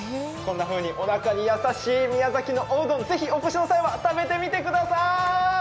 こんなふうにおなかに優しい宮崎のおうどん、ぜひ、お越しの際は食べてみてください！